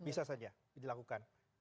bisa saja dilakukan